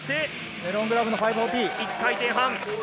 メロングラブの５４０。